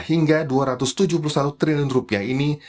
hingga dua ratus tujuh puluh satu triliun rupiah ini